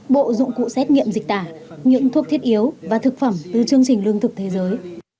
bộ dụng cụ xét nghiệm dịch tả những thuốc thiết yếu và thực phẩm từ chương trình lương thực thế giới